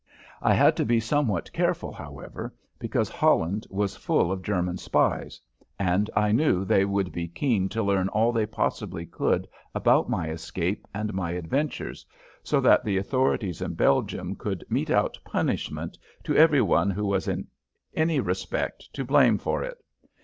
I had to be somewhat careful, however, because Holland was full of German spies, and I knew they would be keen to learn all they possibly could about my escape and my adventures, so that the authorities in Belgium could mete out punishment to every one who was in any respect to blame for it.